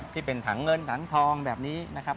ที่เป็นถังเงินถังทองแบบนี้นะครับ